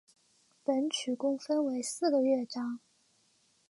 本曲共分为四个乐章。